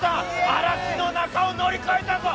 嵐の中を乗り越えたぞ！